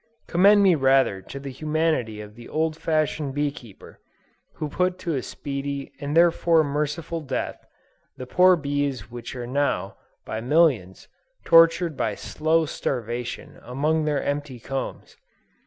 Commend me rather to the humanity of the old fashioned bee keeper, who put to a speedy and therefore merciful death, the poor bees which are now, by millions, tortured by slow starvation among their empty combs!